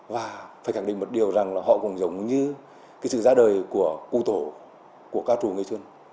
và phải khẳng định một điều rằng là họ cũng giống như cái sự ra đời của ưu tổ của ca chủ nghi xuân